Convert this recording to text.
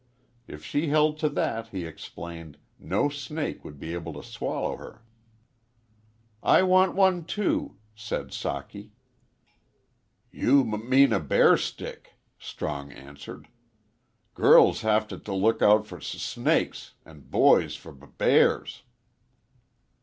If she held to that, he explained, no snake would be able to swallow her. "I want one, too," said Socky. "You m mean a bear stick," Strong answered. "Girls have t' l look out fer s snakes an' boys for b bears."